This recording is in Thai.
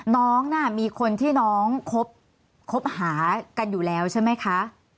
น้องน่ะมีคนที่น้องคบหากันอยู่แล้วใช่ไหมคะ